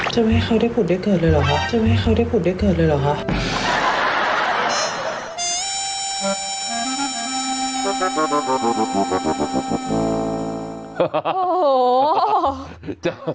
จะไม่ให้เขาได้ผุดได้เกิดเลยเหรอฮะ